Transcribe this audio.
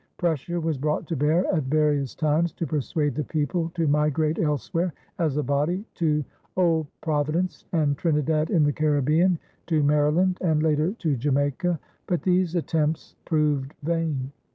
Pressure was brought to bear at various times to persuade the people to migrate elsewhere as a body, to Old Providence and Trinidad in the Caribbean, to Maryland, and later to Jamaica; but these attempts proved vain.